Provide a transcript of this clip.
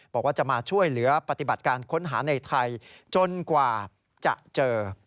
บอกว่าจะมาช่วยเหลือปฏิบัติการค้นหาในไทยจนกว่าจะเจอ